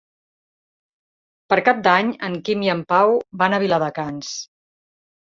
Per Cap d'Any en Quim i en Pau van a Viladecans.